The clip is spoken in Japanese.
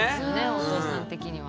お父さん的には。